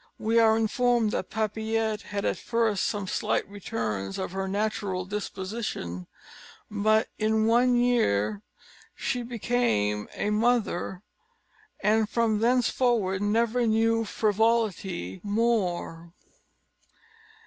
We are informed that Papillette had, at first, some slight returns of her natural disposition; but in one year she became a mother, and from thenceforward never knew frivolity more.